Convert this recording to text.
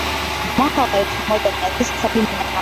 Mwaka wa elfu moja mia tisa sabini na nane